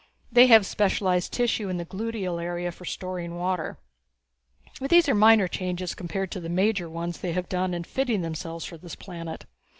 They have specialized tissue in the gluteal area for storing water. These are minor changes, compared to the major ones they have done in fitting themselves for this planet.